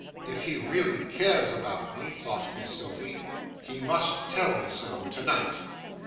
'If he really cares about me,' thought Miss Sophy, 'he must tell me so, to night.